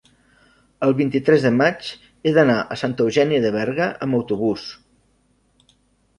el vint-i-tres de maig he d'anar a Santa Eugènia de Berga amb autobús.